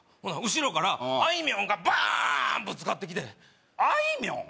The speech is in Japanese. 後ろからあいみょんがバーンぶつかってきてあいみょん？